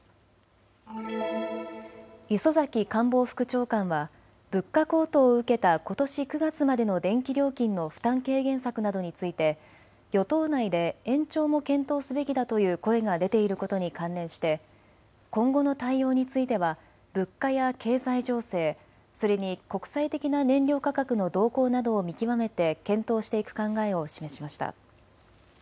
磯崎官房副長官は物価高騰を受けたことし９月までの電気料金の負担軽減策などについて与党内で延長も検討すべきだという声が出ていることに関連して今後の対応については物価や経済情勢、それに国際的な燃料価格の動向などを見極めて検討していく考えを示しました。